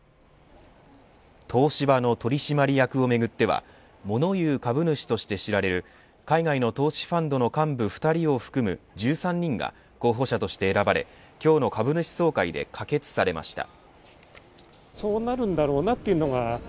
東芝の取締役をめぐってはモノ言う株主として知られる海外の投資ファンドの幹部２人を含む１３人が候補者として選ばれ今日の株主総会で可決されました。